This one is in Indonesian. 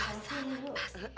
basah lagi basah